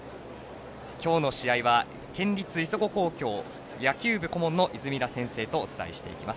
今日の試合は県立磯子工業野球部顧問の泉田先生とお伝えしていきます。